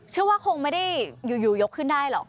เชื่อว่าคงไม่ได้อยู่ยกขึ้นได้หรอก